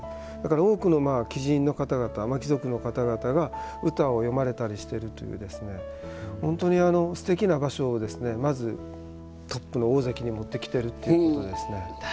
多くの貴人の方々貴族の方々が歌を詠まれたりしているという本当にすてきな場所をまずトップの大関に持ってきているということですね。